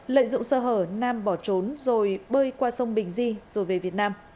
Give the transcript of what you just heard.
lợi dụng sơ hở nam bỏ trốn rồi bơi qua sông bình di rồi về việt nam